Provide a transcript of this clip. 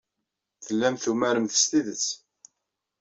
Tellamt tumaremt s tidet.